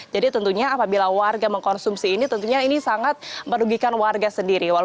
jadi tentunya apabila warga mengkonsumsi ini tentunya ini sangat merugikan warga sendiri